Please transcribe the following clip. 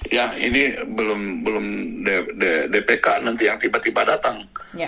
ya ini belum dpk nanti yang tiba tiba datang